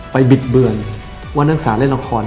บิดเบือนว่านักศึกษาเล่นละคร